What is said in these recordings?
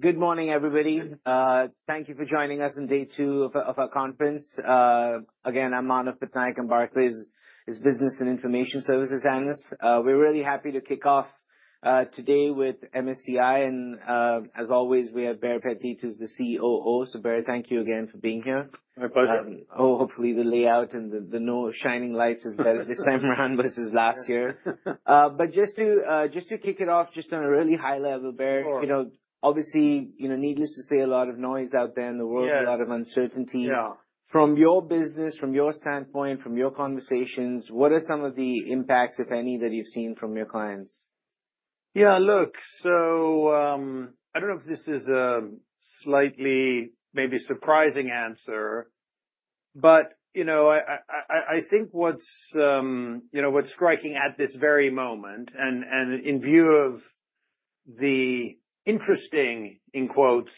Good morning, everybody. Thank you for joining us on day two of our conference. Again, I'm Manav Patnaik, I come back as Business and Information Services Analyst. We're really happy to kick off today with MSCI, and as always, we have Baer Pettit, who's the COO. Baer, thank you again for being here. My pleasure. Hopefully, the layout and the shining lights is better this time around versus last year. Just to kick it off, just on a really high level, Baer, obviously, needless to say, a lot of noise out there in the world, a lot of uncertainty. From your business, from your standpoint, from your conversations, what are some of the impacts, if any, that you've seen from your clients? Yeah, look, so I don't know if this is a slightly maybe surprising answer, but I think what's striking at this very moment, and in view of the interesting, in quotes,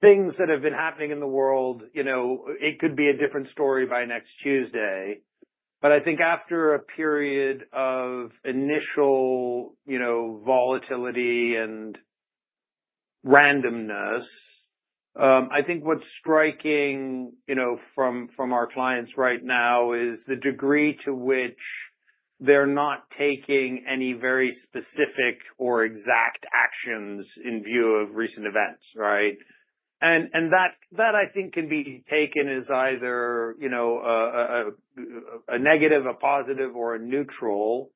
things that have been happening in the world, it could be a different story by next Tuesday. I think after a period of initial volatility and randomness, I think what's striking from our clients right now is the degree to which they're not taking any very specific or exact actions in view of recent events. That, I think, can be taken as either a negative, a positive, or a neutral,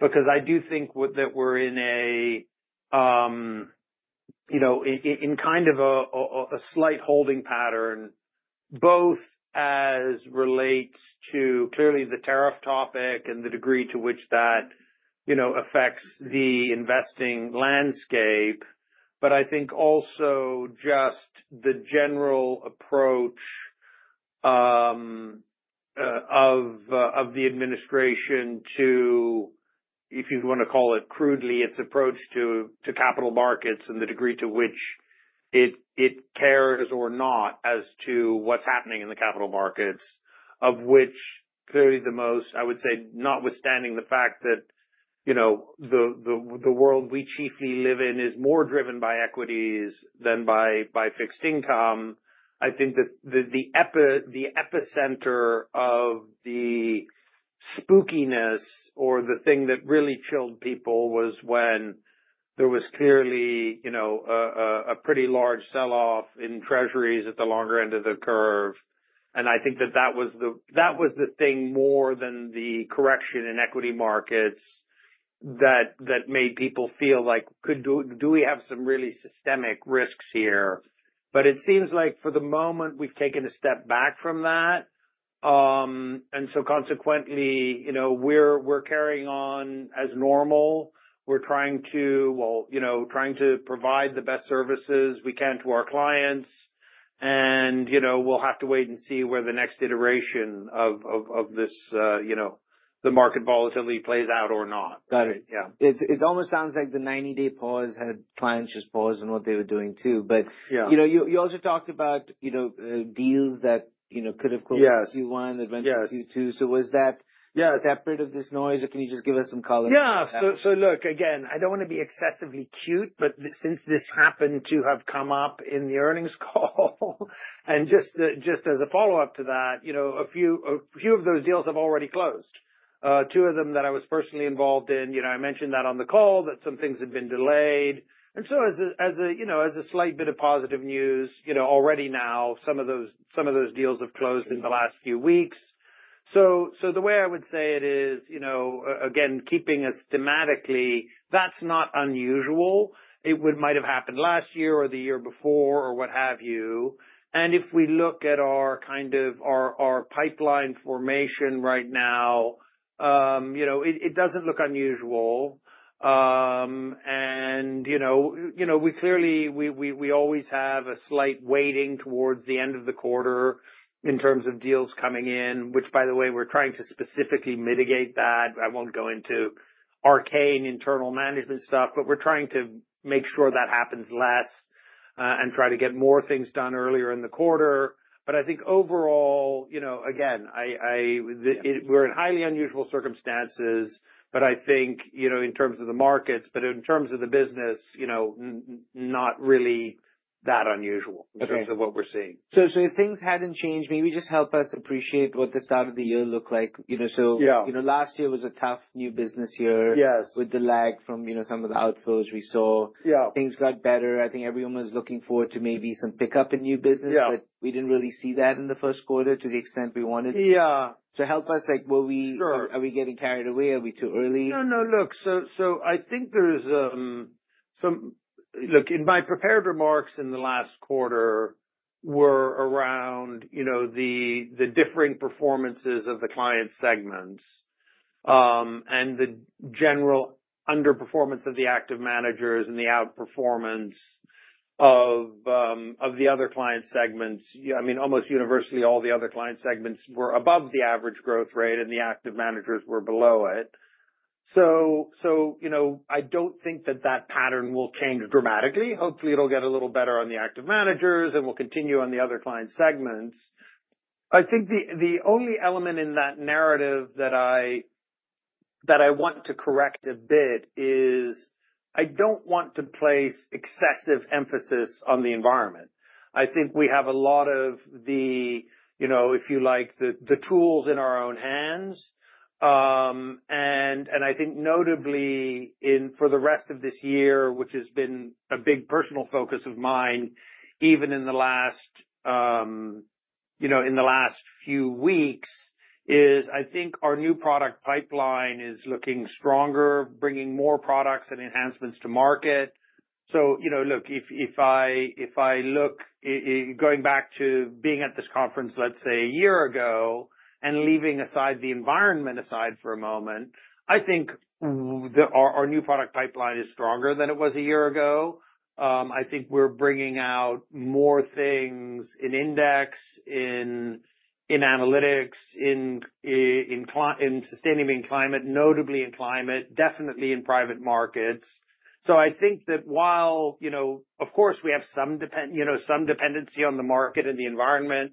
because I do think that we're in kind of a slight holding pattern, both as relates to clearly the tariff topic and the degree to which that affects the investing landscape. I think also just the general approach of the administration to, if you want to call it crudely, its approach to capital markets and the degree to which it cares or not as to what's happening in the capital markets, of which clearly the most, I would say, notwithstanding the fact that the world we chiefly live in is more driven by equities than by fixed income, I think that the epicenter of the spookiness or the thing that really chilled people was when there was clearly a pretty large sell-off in treasuries at the longer end of the curve. I think that that was the thing more than the correction in equity markets that made people feel like, "Do we have some really systemic risks here?" It seems like for the moment, we've taken a step back from that. Consequently, we're carrying on as normal. We're trying to, well, trying to provide the best services we can to our clients. We'll have to wait and see where the next iteration of this, the market volatility, plays out or not. Got it. It almost sounds like the 90-day pause had clients just pause on what they were doing too. You also talked about deals that could have closed Q1, that went to Q2. Was that separate of this noise, or can you just give us some color? Yeah. Look, again, I do not want to be excessively cute, but since this happened to have come up in the earnings call, and just as a follow-up to that, a few of those deals have already closed. Two of them that I was personally involved in, I mentioned that on the call, that some things had been delayed. As a slight bit of positive news, already now, some of those deals have closed in the last few weeks. The way I would say it is, again, keeping us thematically, that is not unusual. It might have happened last year or the year before or what have you. If we look at our kind of our pipeline formation right now, it does not look unusual. We clearly, we always have a slight waiting towards the end of the quarter in terms of deals coming in, which, by the way, we're trying to specifically mitigate that. I won't go into arcane internal management stuff, but we're trying to make sure that happens less and try to get more things done earlier in the quarter. I think overall, again, we're in highly unusual circumstances, but I think in terms of the markets, but in terms of the business, not really that unusual in terms of what we're seeing. If things hadn't changed, maybe just help us appreciate what the start of the year looked like. Last year was a tough new business year with the lag from some of the outflows we saw. Things got better. I think everyone was looking forward to maybe some pickup in new business, but we didn't really see that in the first quarter to the extent we wanted. Help us, are we getting carried away? Are we too early? No, no, look, I think there's some, look, in my prepared remarks in the last quarter were around the differing performances of the client segments and the general underperformance of the active managers and the outperformance of the other client segments. I mean, almost universally, all the other client segments were above the average growth rate, and the active managers were below it. I don't think that that pattern will change dramatically. Hopefully, it'll get a little better on the active managers, and we'll continue on the other client segments. I think the only element in that narrative that I want to correct a bit is I don't want to place excessive emphasis on the environment. I think we have a lot of the, if you like, the tools in our own hands. I think notably for the rest of this year, which has been a big personal focus of mine, even in the last few weeks, is I think our new product pipeline is looking stronger, bringing more products and enhancements to market. If I look, going back to being at this conference, let's say a year ago, and leaving the environment aside for a moment, I think our new product pipeline is stronger than it was a year ago. I think we're bringing out more things in index, in analytics, in sustainability and climate, notably in climate, definitely in private markets. I think that while, of course, we have some dependency on the market and the environment,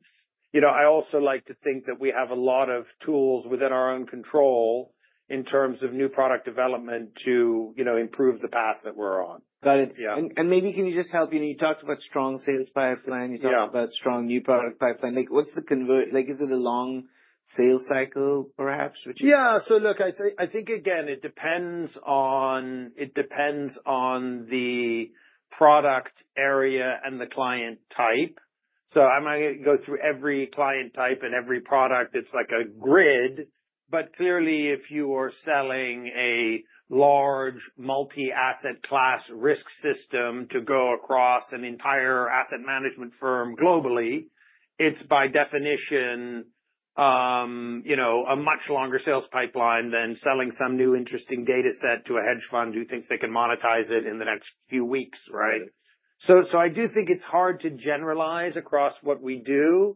I also like to think that we have a lot of tools within our own control in terms of new product development to improve the path that we're on. Got it. Maybe can you just help? You talked about strong sales pipeline. You talked about strong new product pipeline. What's the convert? Is it a long sales cycle, perhaps? Yeah. Look, I think, again, it depends on the product area and the client type. I might go through every client type and every product. It's like a grid. Clearly, if you are selling a large multi-asset class risk system to go across an entire asset management firm globally, it's by definition a much longer sales pipeline than selling some new interesting data set to a hedge fund who thinks they can monetize it in the next few weeks. I do think it's hard to generalize across what we do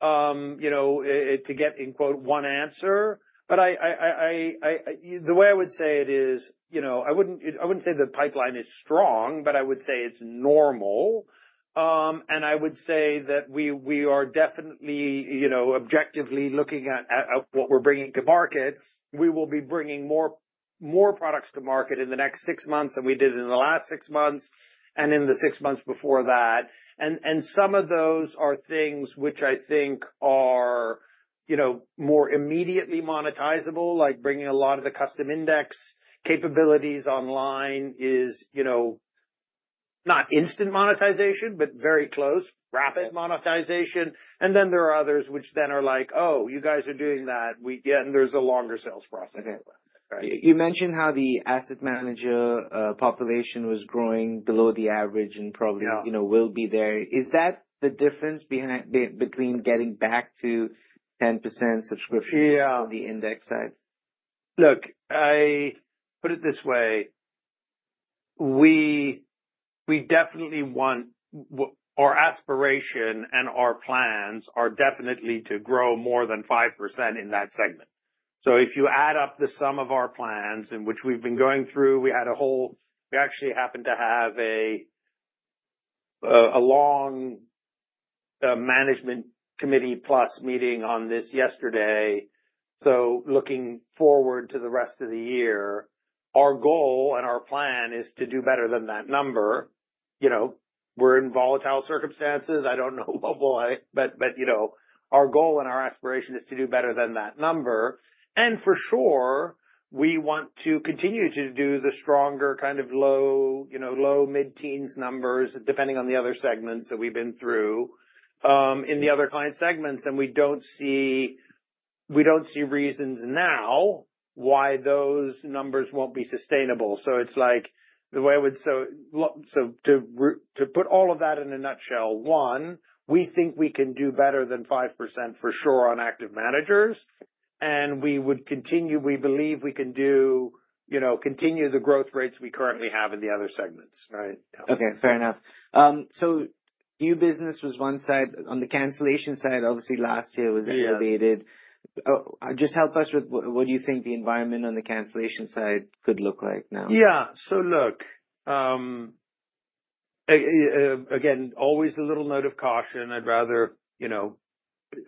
to get, in quote, one answer. The way I would say it is I wouldn't say the pipeline is strong, but I would say it's normal. I would say that we are definitely objectively looking at what we're bringing to market. We will be bringing more products to market in the next six months than we did in the last six months and in the six months before that. Some of those are things which I think are more immediately monetizable, like bringing a lot of the custom index capabilities online is not instant monetization, but very close, rapid monetization. There are others which then are like, "Oh, you guys are doing that." There is a longer sales process. You mentioned how the asset manager population was growing below the average and probably will be there. Is that the difference between getting back to 10% subscription on the index side? Look, I put it this way. We definitely want our aspiration and our plans are definitely to grow more than 5% in that segment. If you add up the sum of our plans in which we've been going through, we actually happened to have a long management committee plus meeting on this yesterday. Looking forward to the rest of the year, our goal and our plan is to do better than that number. We're in volatile circumstances. I don't know what will I, but our goal and our aspiration is to do better than that number. For sure, we want to continue to do the stronger kind of low, low, mid-teens numbers depending on the other segments that we've been through in the other client segments. We don't see reasons now why those numbers won't be sustainable. The way I would say, to put all of that in a nutshell, one, we think we can do better than 5% for sure on active managers. We believe we can continue the growth rates we currently have in the other segments. Okay, fair enough. New business was one side. On the cancellation side, obviously last year was elevated. Just help us with what do you think the environment on the cancellation side could look like now? Yeah. Look, again, always a little note of caution. I'd rather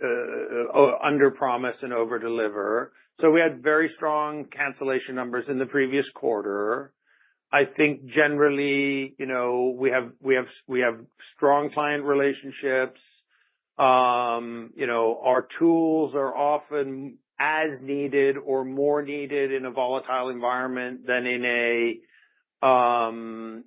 underpromise and overdeliver. We had very strong cancellation numbers in the previous quarter. I think generally we have strong client relationships. Our tools are often as needed or more needed in a volatile environment than in a calm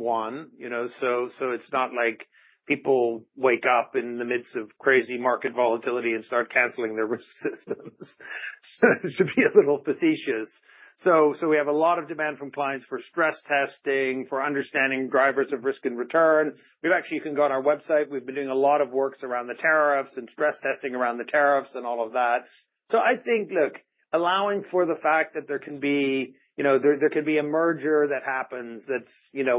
one. It's not like people wake up in the midst of crazy market volatility and start canceling their risk systems. That should be a little facetious. We have a lot of demand from clients for stress testing, for understanding drivers of risk and return. We've actually even got our website. We've been doing a lot of works around the tariffs and stress testing around the tariffs and all of that. I think, allowing for the fact that there can be a merger that happens that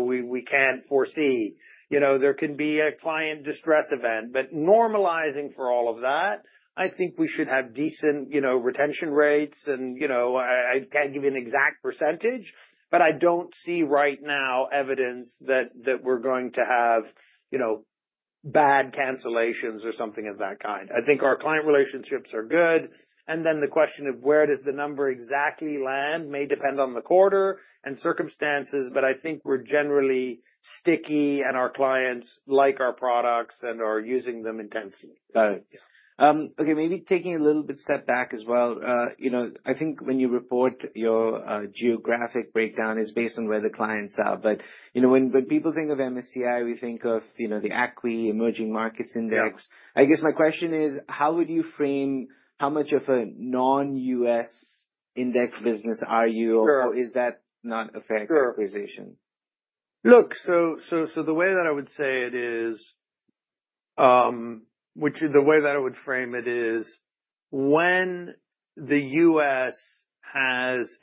we can't foresee. There can be a client distress event. Normalizing for all of that, I think we should have decent retention rates. I can't give you an exact percentage, but I don't see right now evidence that we're going to have bad cancellations or something of that kind. I think our client relationships are good. The question of where does the number exactly land may depend on the quarter and circumstances, but I think we're generally sticky and our clients like our products and are using them intensely. Got it. Okay. Maybe taking a little bit step back as well. I think when you report your geographic breakdown is based on where the clients are. But when people think of MSCI, we think of the ACWI, Emerging Markets Index. I guess my question is, how would you frame how much of a non-U.S. index business are you? Or is that not a fair characterization? Look, the way that I would say it is, which is the way that I would frame it is when the U.S.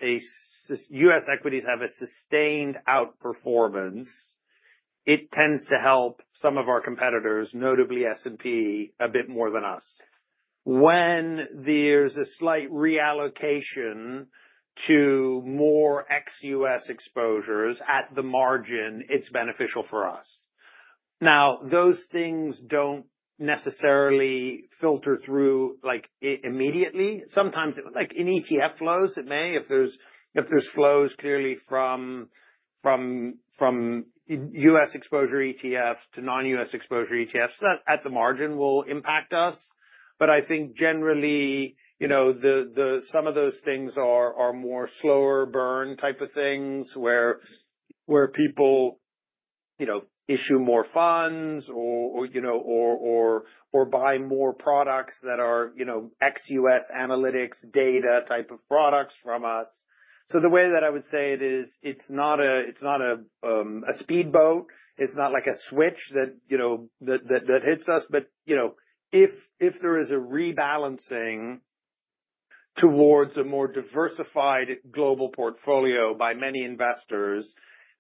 equities have a sustained outperformance, it tends to help some of our competitors, notably S&P, a bit more than us. When there is a slight reallocation to more ex-U.S. exposures at the margin, it is beneficial for us. Now, those things do not necessarily filter through immediately. Sometimes in ETF flows, it may. If there are flows clearly from U.S. exposure ETFs to non-U.S. exposure ETFs at the margin, it will impact us. I think generally some of those things are more slower burn type of things where people issue more funds or buy more products that are ex-U.S. analytics data type of products from us. The way that I would say it is, it is not a speedboat. It is not like a switch that hits us. If there is a rebalancing towards a more diversified global portfolio by many investors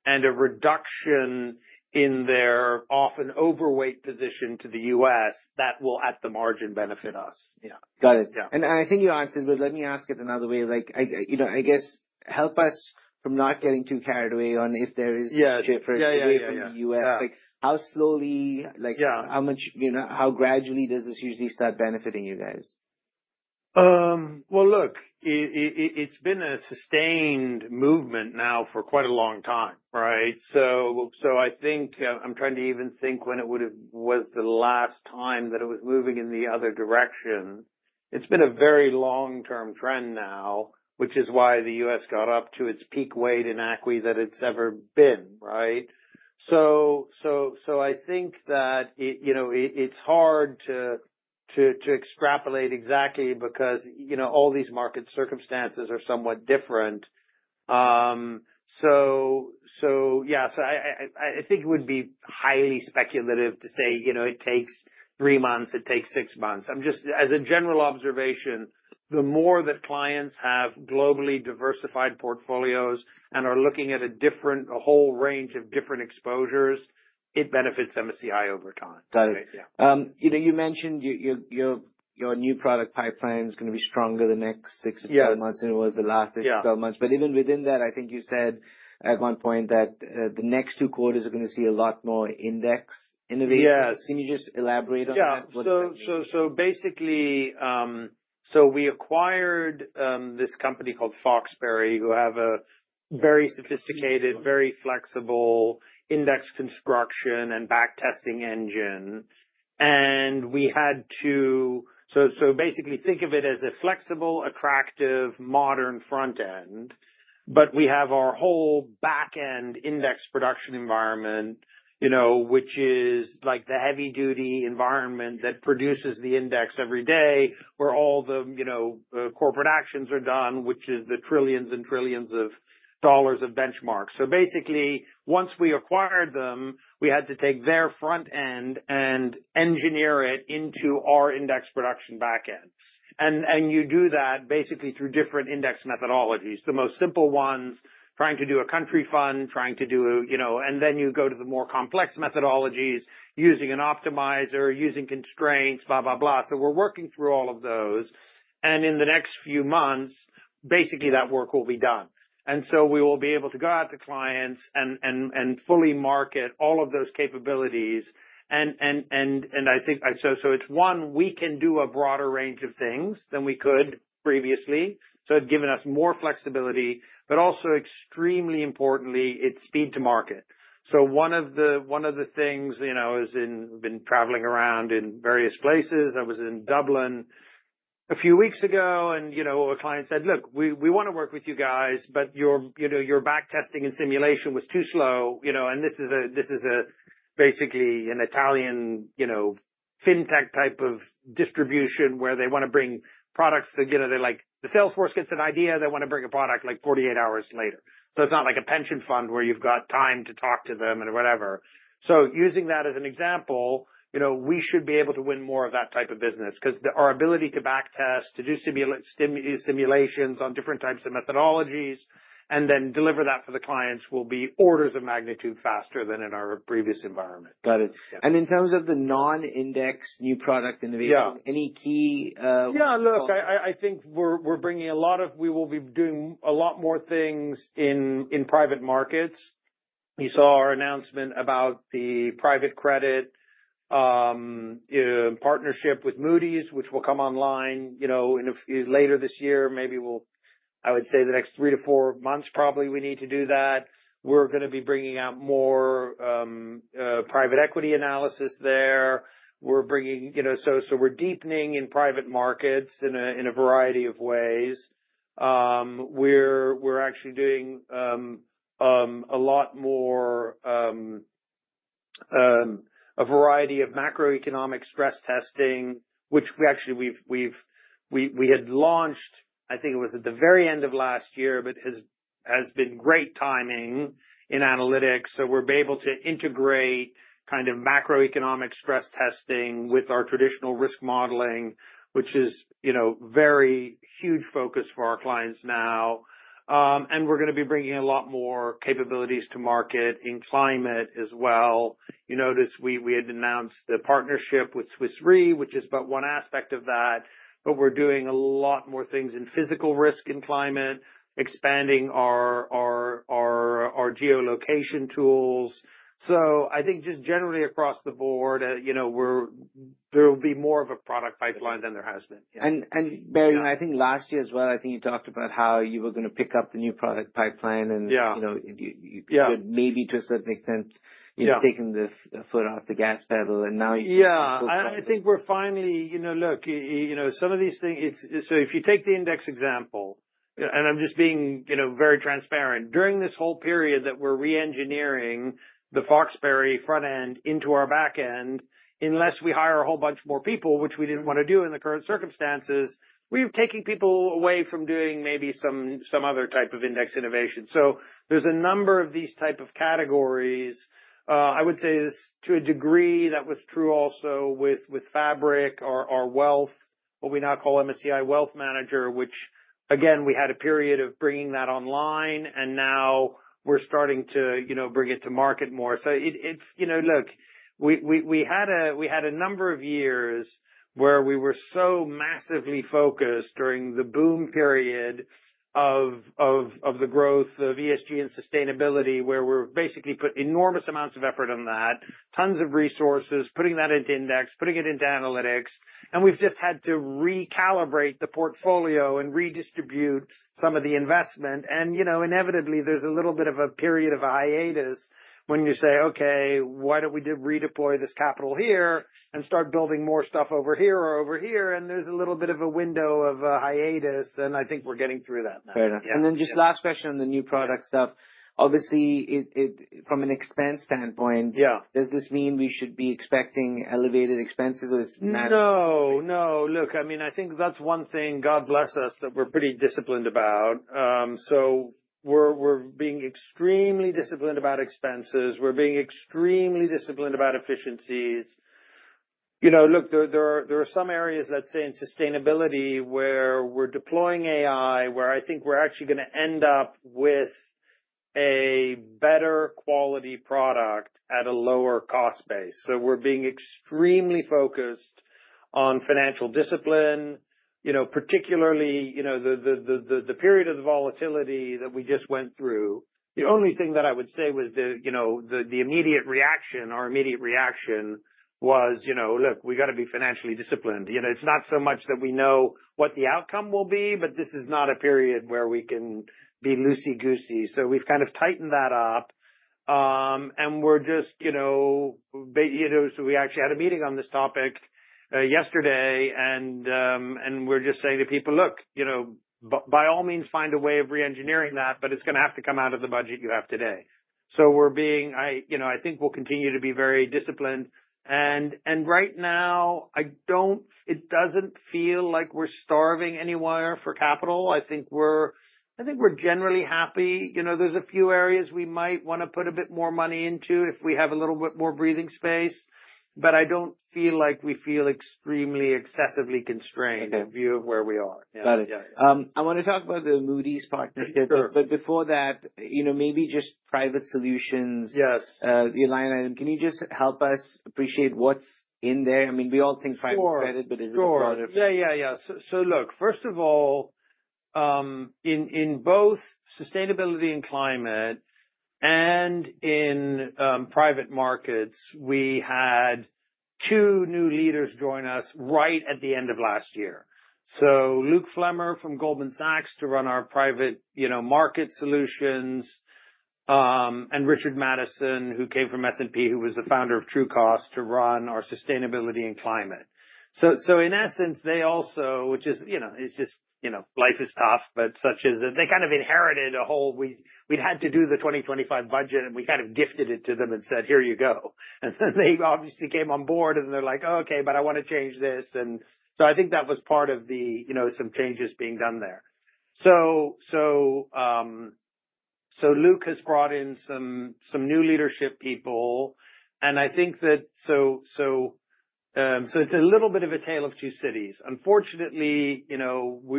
and a reduction in their often overweight position to the U.S., that will at the margin benefit us. Got it. I think your answer is, but let me ask it another way. I guess help us from not getting too carried away on if there is a difference away from the U.S. How slowly, how gradually does this usually start benefiting you guys? Look, it's been a sustained movement now for quite a long time. I think I'm trying to even think when it was the last time that it was moving in the other direction. It's been a very long-term trend now, which is why the U.S. got up to its peak weight in ACWI that it's ever been. I think that it's hard to extrapolate exactly because all these market circumstances are somewhat different. I think it would be highly speculative to say it takes three months, it takes six months. As a general observation, the more that clients have globally diversified portfolios and are looking at a whole range of different exposures, it benefits MSCI over time. Got it. You mentioned your new product pipeline is going to be stronger the next six to twelve months than it was the last six to twelve months. Even within that, I think you said at one point that the next two quarters are going to see a lot more index innovation. Can you just elaborate on that? Yeah. So basically, we acquired this company called Foxberry, who have a very sophisticated, very flexible index construction and back testing engine. We had to basically think of it as a flexible, attractive, modern front end. We have our whole back end index production environment, which is like the heavy-duty environment that produces the index every day where all the corporate actions are done, which is the trillions and trillions of dollars of benchmarks. Basically, once we acquired them, we had to take their front end and engineer it into our index production back end. You do that basically through different index methodologies. The most simple ones, trying to do a country fund, trying to do a, and then you go to the more complex methodologies using an optimizer, using constraints, blah, blah, blah. We're working through all of those. In the next few months, basically that work will be done. We will be able to go out to clients and fully market all of those capabilities. I think it is one, we can do a broader range of things than we could previously. It has given us more flexibility, but also extremely importantly, it is speed to market. One of the things is, in traveling around in various places, I was in Dublin a few weeks ago and a client said, "Look, we want to work with you guys, but your back testing and simulation was too slow." This is basically an Italian fintech type of distribution where they want to bring products that they are like, the sales force gets an idea, they want to bring a product like 48 hours later. It is not like a pension fund where you have got time to talk to them and whatever. Using that as an example, we should be able to win more of that type of business because our ability to back test, to do simulations on different types of methodologies, and then deliver that for the clients will be orders of magnitude faster than in our previous environment. Got it. In terms of the non-index new product innovation, any key? Yeah, look, I think we're bringing a lot of we will be doing a lot more things in private markets. You saw our announcement about the private credit partnership with Moody's, which will come online later this year. Maybe we'll, I would say the next three to four months probably we need to do that. We're going to be bringing out more private equity analysis there. We're bringing, so we're deepening in private markets in a variety of ways. We're actually doing a lot more a variety of macroeconomic stress testing, which we actually we had launched, I think it was at the very end of last year, but has been great timing in analytics. We're able to integrate kind of macroeconomic stress testing with our traditional risk modeling, which is a very huge focus for our clients now. We are going to be bringing a lot more capabilities to market in climate as well. You notice we had announced the partnership with Swiss Re, which is but one aspect of that. We are doing a lot more things in physical risk in climate, expanding our geolocation tools. I think just generally across the board, there will be more of a product pipeline than there has been. Baer, I think last year as well, I think you talked about how you were going to pick up the new product pipeline and you could maybe to a certain extent taken the foot off the gas pedal and now you've been able to. Yeah. I think we're finally, look, some of these things, if you take the index example, and I'm just being very transparent, during this whole period that we're re-engineering the Foxberry front end into our back end, unless we hire a whole bunch more people, which we didn't want to do in the current circumstances, we're taking people away from doing maybe some other type of index innovation. There are a number of these type of categories. I would say to a degree that was true also with Fabric, our wealth, what we now call MSCI Wealth Manager, which again, we had a period of bringing that online and now we're starting to bring it to market more. Look, we had a number of years where we were so massively focused during the boom period of the growth of ESG and sustainability where we were basically putting enormous amounts of effort on that, tons of resources, putting that into index, putting it into analytics. We have just had to recalibrate the portfolio and redistribute some of the investment. Inevitably, there is a little bit of a period of hiatus when you say, "Okay, why do we not redeploy this capital here and start building more stuff over here or over here?" There is a little bit of a window of hiatus. I think we are getting through that now. Fair enough. Just last question on the new product stuff. Obviously, from an expense standpoint, does this mean we should be expecting elevated expenses or is it? No, no. Look, I mean, I think that's one thing, God bless us, that we're pretty disciplined about. We're being extremely disciplined about expenses. We're being extremely disciplined about efficiencies. Look, there are some areas, let's say in sustainability where we're deploying AI, where I think we're actually going to end up with a better quality product at a lower cost base. We're being extremely focused on financial discipline, particularly the period of the volatility that we just went through. The only thing that I would say was the immediate reaction, our immediate reaction was, "Look, we got to be financially disciplined." It's not so much that we know what the outcome will be, but this is not a period where we can be loosey-goosey. We've kind of tightened that up. We actually had a meeting on this topic yesterday and we're just saying to people, "Look, by all means, find a way of re-engineering that, but it's going to have to come out of the budget you have today." We are being, I think we'll continue to be very disciplined. Right now, it does not feel like we're starving anywhere for capital. I think we're generally happy. There are a few areas we might want to put a bit more money into if we have a little bit more breathing space. I do not feel like we feel extremely excessively constrained in view of where we are. Got it. I want to talk about the Moody's partnership. Before that, maybe just private solutions. Yes. The line item, can you just help us appreciate what's in there? I mean, we all think private credit, but it's part of. Sure. Yeah, yeah, yeah. First of all, in both sustainability and climate and in private markets, we had two new leaders join us right at the end of last year. Luke Flemmer from Goldman Sachs to run our private market solutions. And Richard Mattison, who came from S&P, who was the founder of True Cost to run our sustainability and climate. In essence, they also, which is just life is tough, but such as they kind of inherited a whole, we'd had to do the 2025 budget and we kind of gifted it to them and said, "Here you go." They obviously came on board and they're like, "Okay, but I want to change this." I think that was part of the some changes being done there. Luke has brought in some new leadership people. I think that it is a little bit of a tale of two cities. Unfortunately,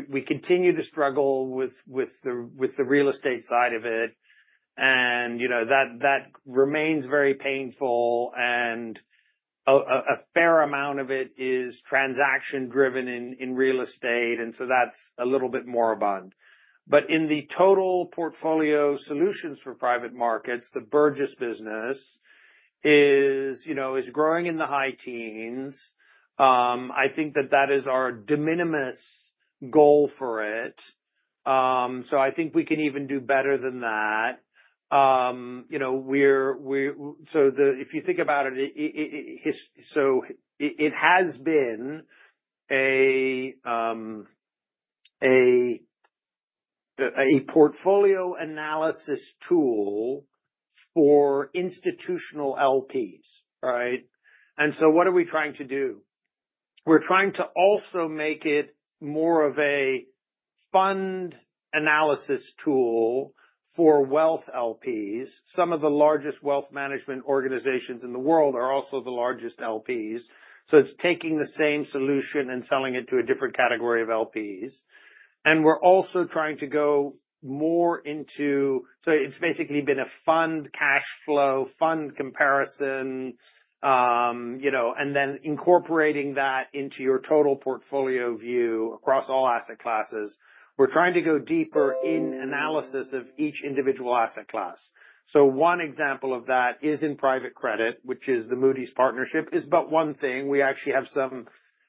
we continue to struggle with the real estate side of it. That remains very painful. A fair amount of it is transaction-driven in real estate, so that is a little bit more abundant. In the total portfolio solutions for private markets, the Burgiss business is growing in the high teens. I think that is our de minimis goal for it. I think we can even do better than that. If you think about it, it has been a portfolio analysis tool for institutional LPs, right? What are we trying to do? We are trying to also make it more of a fund analysis tool for wealth LPs. Some of the largest wealth management organizations in the world are also the largest LPs. It's taking the same solution and selling it to a different category of LPs. We're also trying to go more into, so it's basically been a fund cash flow, fund comparison, and then incorporating that into your total portfolio view across all asset classes. We're trying to go deeper in analysis of each individual asset class. One example of that is in private credit, which is the Moody's partnership, is but one thing. We actually have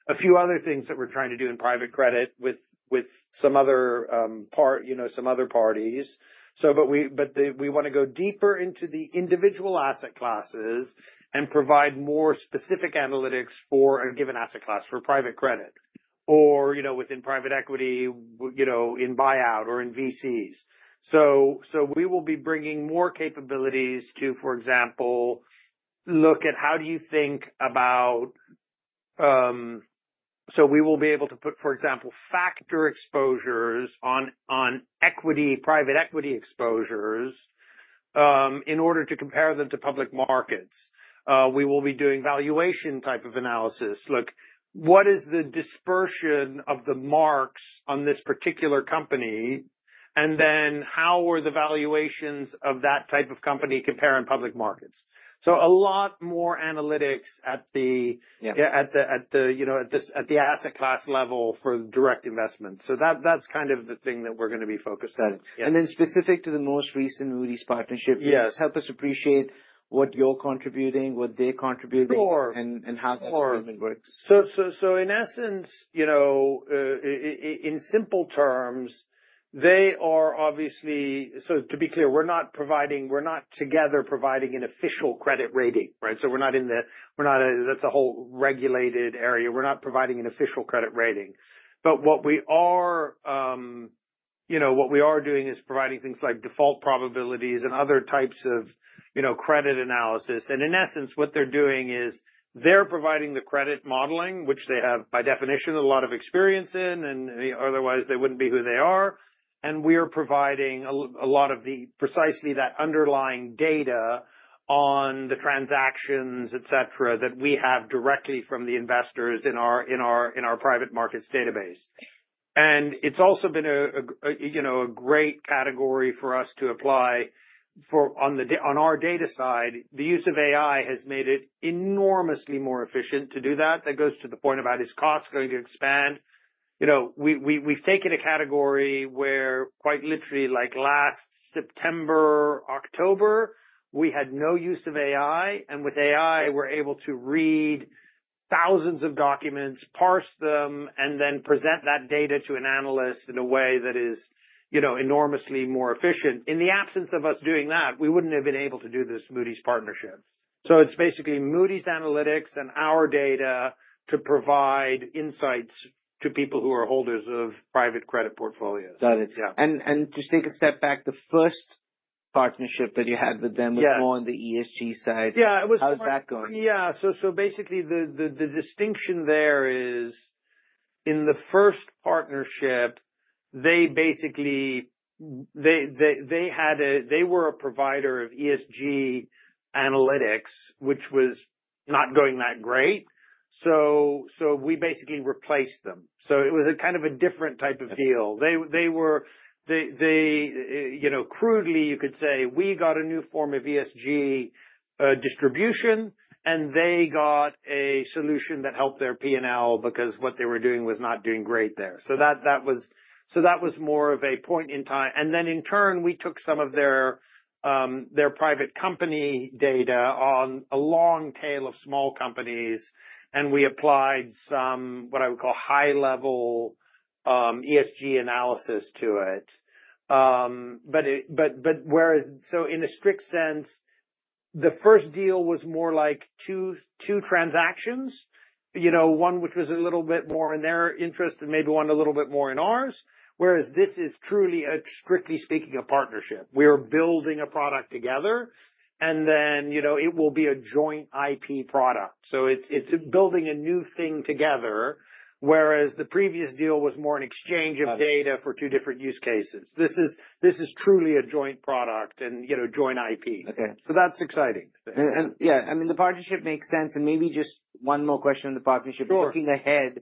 a few other things that we're trying to do in private credit with some other parties. We want to go deeper into the individual asset classes and provide more specific analytics for a given asset class for private credit or within private equity in buyout or in VCs. We will be bringing more capabilities to, for example, look at how do you think about, so we will be able to put, for example, factor exposures on private equity exposures in order to compare them to public markets. We will be doing valuation type of analysis. Look, what is the dispersion of the marks on this particular company? And then how were the valuations of that type of company compare in public markets? A lot more analytics at the asset class level for direct investments. That is kind of the thing that we are going to be focused on. Specific to the most recent Moody's partnership, please help us appreciate what you're contributing, what they're contributing, and how that development works. Sure. In essence, in simple terms, they are obviously, so to be clear, we're not together providing an official credit rating, right? We're not in the, that's a whole regulated area. We're not providing an official credit rating. What we are doing is providing things like default probabilities and other types of credit analysis. In essence, what they're doing is they're providing the credit modeling, which they have by definition a lot of experience in, and otherwise they wouldn't be who they are. We are providing a lot of precisely that underlying data on the transactions, etc., that we have directly from the investors in our private markets database. It's also been a great category for us to apply on our data side. The use of AI has made it enormously more efficient to do that. That goes to the point about is cost going to expand? We've taken a category where quite literally like last September, October, we had no use of AI. And with AI, we're able to read thousands of documents, parse them, and then present that data to an analyst in a way that is enormously more efficient. In the absence of us doing that, we wouldn't have been able to do this Moody's partnership. So it's basically Moody's analytics and our data to provide insights to people who are holders of private credit portfolios. Got it. Just take a step back. The first partnership that you had with them was more on the ESG side. How's that going? Yeah. Basically, the distinction there is in the first partnership, they basically were a provider of ESG analytics, which was not going that great. We basically replaced them. It was a kind of a different type of deal. Crudely, you could say, we got a new form of ESG distribution, and they got a solution that helped their P&L because what they were doing was not doing great there. That was more of a point in time. In turn, we took some of their private company data on a long tail of small companies, and we applied some what I would call high-level ESG analysis to it. Whereas in a strict sense, the first deal was more like two transactions, one which was a little bit more in their interest and maybe one a little bit more in ours, whereas this is truly, strictly speaking, a partnership. We are building a product together, and then it will be a joint IP product. It is building a new thing together, whereas the previous deal was more an exchange of data for two different use cases. This is truly a joint product and joint IP. That is exciting. Yeah, I mean, the partnership makes sense. Maybe just one more question on the partnership. Looking ahead,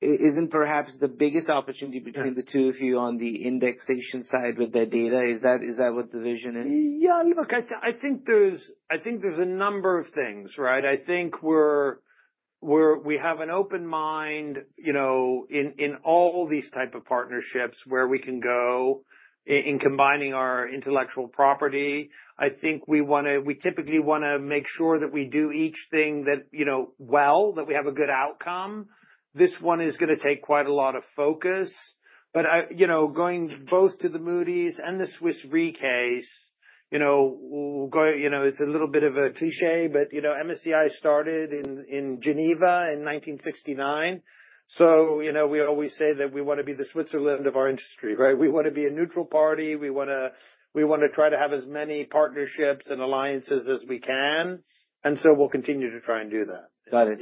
isn't perhaps the biggest opportunity between the two of you on the indexation side with their data? Is that what the vision is? Yeah. Look, I think there's a number of things, right? I think we have an open mind in all these type of partnerships where we can go in combining our intellectual property. I think we typically want to make sure that we do each thing well, that we have a good outcome. This one is going to take quite a lot of focus. Going both to the Moody's and the Swiss Re case, it's a little bit of a cliché, but MSCI started in Geneva in 1969. We always say that we want to be the Switzerland of our industry, right? We want to be a neutral party. We want to try to have as many partnerships and alliances as we can. We will continue to try and do that. Got it.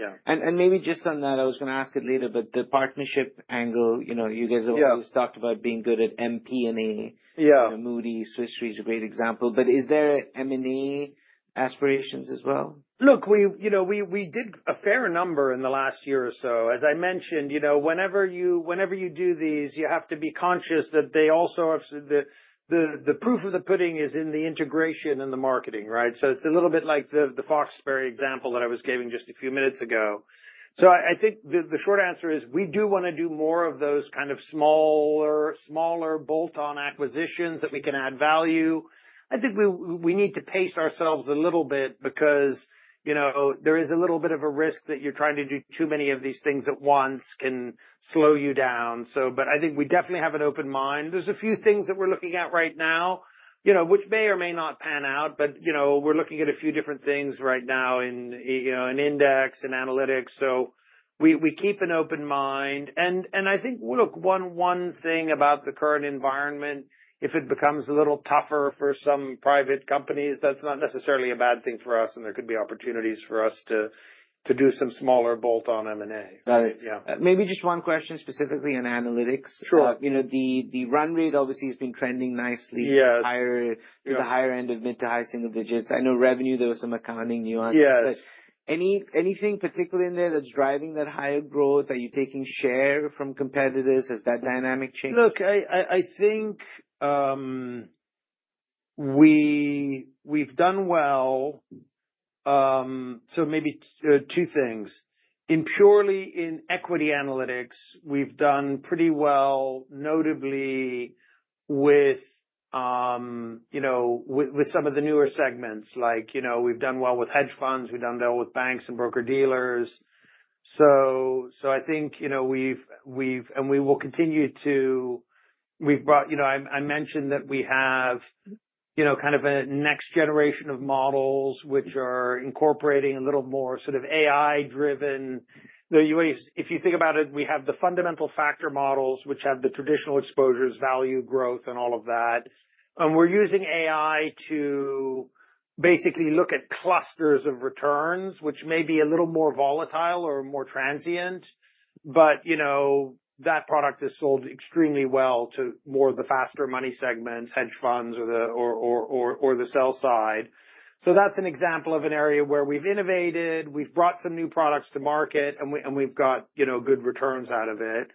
Maybe just on that, I was going to ask it later, but the partnership angle, you guys have always talked about being good at M&A. Moody's, Swiss Re is a great example. Is there M&A aspirations as well? Look, we did a fair number in the last year or so. As I mentioned, whenever you do these, you have to be conscious that they also have the proof of the pudding is in the integration and the marketing, right? It is a little bit like the Foxberry example that I was giving just a few minutes ago. I think the short answer is we do want to do more of those kind of smaller bolt-on acquisitions that we can add value. I think we need to pace ourselves a little bit because there is a little bit of a risk that you're trying to do too many of these things at once can slow you down. I think we definitely have an open mind. are a few things that we are looking at right now, which may or may not pan out, but we are looking at a few different things right now in index and analytics. We keep an open mind. I think, look, one thing about the current environment, if it becomes a little tougher for some private companies, that is not necessarily a bad thing for us. There could be opportunities for us to do some smaller bolt-on M&A. Got it. Maybe just one question specifically on Analytics. The run rate obviously has been trending nicely to the higher end of mid to high single digits. I know revenue, there were some accounting nuances. Anything particular in there that's driving that higher growth that you're taking share from competitors? Has that dynamic changed? Look, I think we've done well. Maybe two things. In purely in equity analytics, we've done pretty well, notably with some of the newer segments. We've done well with hedge funds. We've done well with banks and broker dealers. I think we've and we will continue to we've brought I mentioned that we have kind of a next generation of models, which are incorporating a little more sort of AI-driven. If you think about it, we have the fundamental factor models, which have the traditional exposures, value, growth, and all of that. We're using AI to basically look at clusters of returns, which may be a little more volatile or more transient. That product is sold extremely well to more of the faster money segments, hedge funds, or the sell side. That's an example of an area where we've innovated. We've brought some new products to market, and we've got good returns out of it.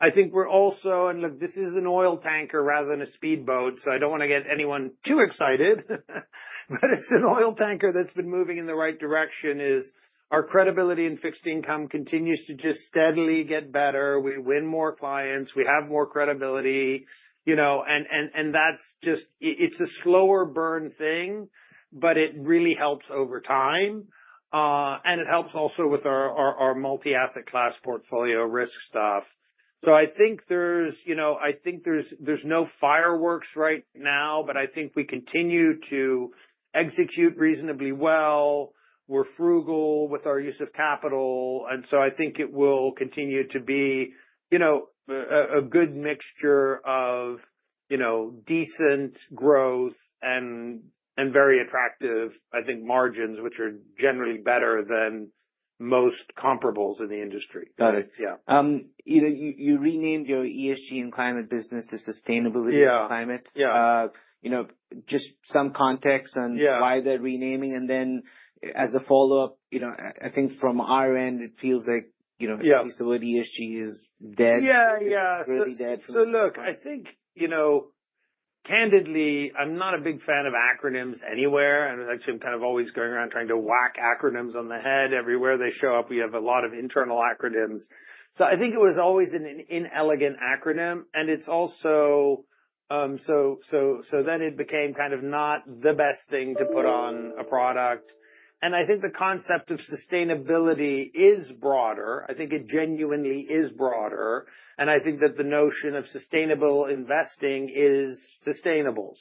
I think we're also, and look, this is an oil tanker rather than a speedboat. I don't want to get anyone too excited. It is an oil tanker that's been moving in the right direction as our credibility in fixed income continues to just steadily get better. We win more clients. We have more credibility. That is just, it's a slower burn thing, but it really helps over time. It helps also with our multi-asset class portfolio risk stuff. I think there's no fireworks right now, but I think we continue to execute reasonably well. We're frugal with our use of capital. I think it will continue to be a good mixture of decent growth and very attractive, I think, margins, which are generally better than most comparables in the industry. Got it. You renamed your ESG and climate business to sustainability and climate. Just some context on why the renaming. As a follow-up, I think from our end, it feels like at least the word ESG is dead. Yeah, yeah. Look, I think candidly, I'm not a big fan of acronyms anywhere. Actually, I'm kind of always going around trying to whack acronyms on the head. Everywhere they show up, we have a lot of internal acronyms. I think it was always an inelegant acronym. It also became kind of not the best thing to put on a product. I think the concept of sustainability is broader. I think it genuinely is broader. I think that the notion of sustainable investing is sustainable.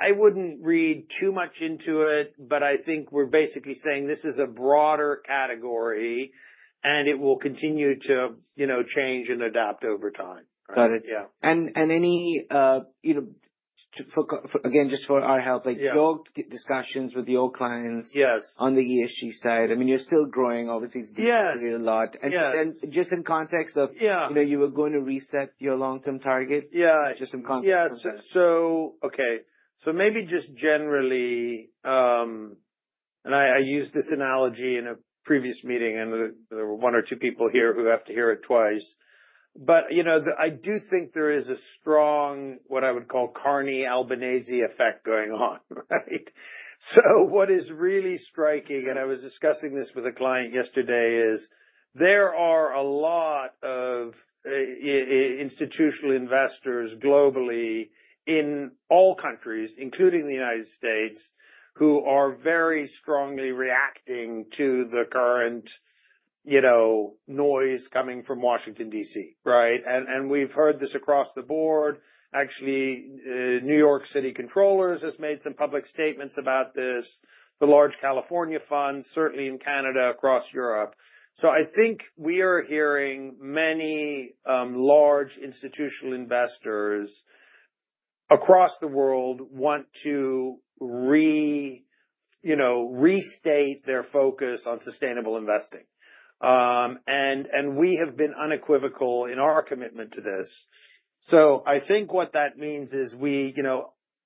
I wouldn't read too much into it, but I think we're basically saying this is a broader category, and it will continue to change and adapt over time. Got it. Just for our help, your discussions with your clients on the ESG side, I mean, you're still growing. Obviously, it's decreased a lot. Just in context of you were going to reset your long-term target, just in context of that. Yes. Okay. Maybe just generally, and I used this analogy in a previous meeting, and there were one or two people here who have to hear it twice. I do think there is a strong, what I would call Carney-Albanese effect going on, right? What is really striking, and I was discussing this with a client yesterday, is there are a lot of institutional investors globally in all countries, including the United States, who are very strongly reacting to the current noise coming from Washington, D.C., right? We have heard this across the board. Actually, New York City controllers has made some public statements about this, the large California funds, certainly in Canada, across Europe. I think we are hearing many large institutional investors across the world want to restate their focus on sustainable investing. We have been unequivocal in our commitment to this. I think what that means is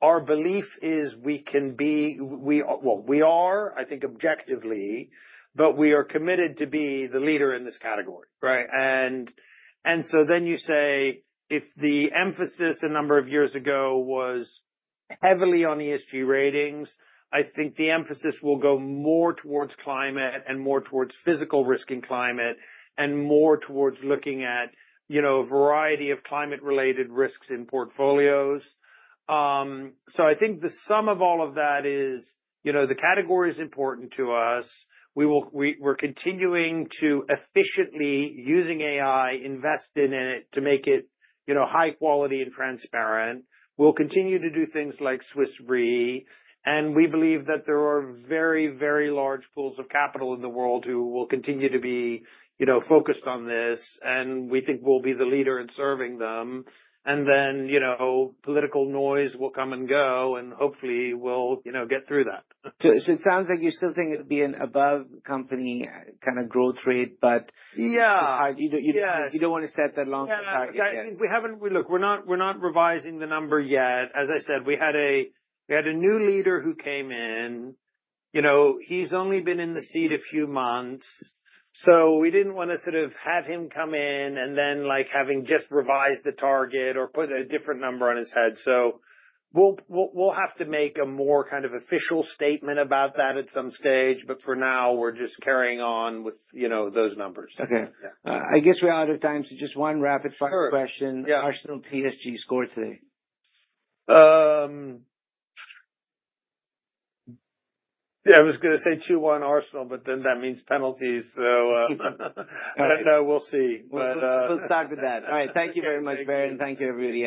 our belief is we can be, we are, I think, objectively, but we are committed to be the leader in this category, right? You say if the emphasis a number of years ago was heavily on ESG ratings, I think the emphasis will go more towards climate and more towards physical risk in climate and more towards looking at a variety of climate-related risks in portfolios. I think the sum of all of that is the category is important to us. We're continuing to efficiently, using AI, invest in it to make it high quality and transparent. We'll continue to do things like Swiss Re. We believe that there are very, very large pools of capital in the world who will continue to be focused on this. We think we'll be the leader in serving them. Political noise will come and go, and hopefully, we'll get through that. It sounds like you still think it'd be an above-company kind of growth rate, but you don't want to set that long-term target. Yeah. Look, we're not revising the number yet. As I said, we had a new leader who came in. He's only been in the seat a few months. We didn't want to sort of have him come in and then having just revised the target or put a different number on his head. We will have to make a more kind of official statement about that at some stage. For now, we're just carrying on with those numbers. Okay. I guess we're out of time. Just one rapid-fire question. Arsenal PSG score today? Yeah. I was going to say 2-1 Arsenal, but then that means penalties. I do not know. We'll see. We'll start with that. All right. Thank you very much, Baer. Thank you, everybody.